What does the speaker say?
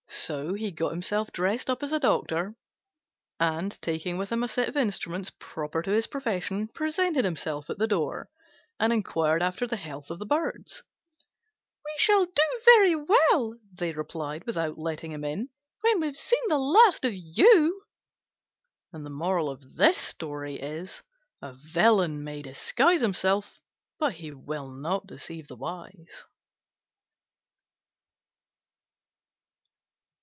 So he got himself up as a doctor, and, taking with him a set of the instruments proper to his profession, presented himself at the door, and inquired after the health of the Birds. "We shall do very well," they replied, without letting him in, "when we've seen the last of you." A villain may disguise himself, but he will not deceive the wise.